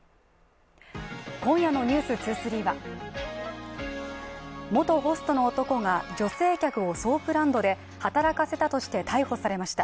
今夜の「ｎｅｗｓ２３」は元ホストの男が女性客をソープランドで働かせたとして逮捕されました